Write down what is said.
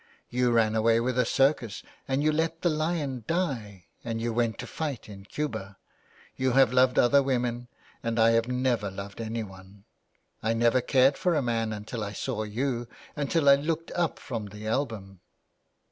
You ran away with a circus and you let the lion die and you went to fight in Cuba. You have loved other women, and I have never loved any one. I never cared for a man until I saw you, until I looked up from the album."